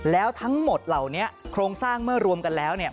แล้วทั้งหมดเหล่านี้โครงสร้างเมื่อรวมกันแล้วเนี่ย